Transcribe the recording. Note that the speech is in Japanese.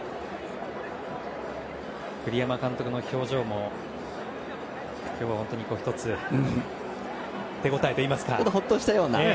栗山監督の表情も今日は本当に１つ手応えといいますかほっとしたような。